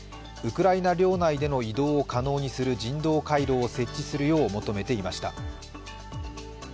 ウクライナ領内での移動を可能にする人道回廊を設置するよう求めていました。